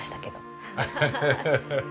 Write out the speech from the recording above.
ハハハハ！